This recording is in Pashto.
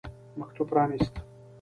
مکتوب پرانیست.